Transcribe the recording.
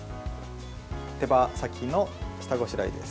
手羽先の下ごしらえです。